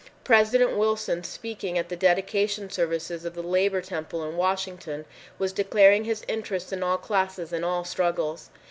President Wilson, speaking at the dedication services of the Labor Temple in Washington, was declaring his interest in all classes and all struggles.